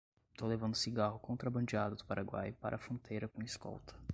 Tô levando cigarro contrabandeado do Paraguai para a fronteira com escolta